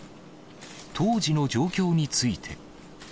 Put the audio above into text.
当時の状況について。